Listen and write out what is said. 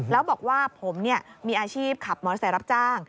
แล้วบอกว่าผมมีอาชีพขับมอเซลรับจ้าง